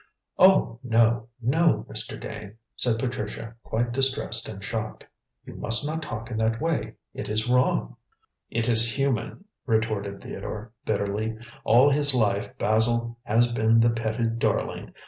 "Oh, no, no, Mr. Dane," said Patricia, quite distressed and shocked, "you must not talk in that way. It is wrong." "It is human," retorted Theodore bitterly. "All his life Basil has been the petted darling.